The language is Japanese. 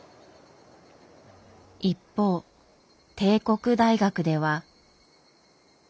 一方帝国大学では。